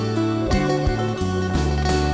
กลับมาเมื่อเวลาที่สุดท้าย